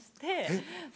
えっ